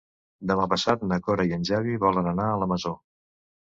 Demà passat na Cora i en Xavi volen anar a la Masó.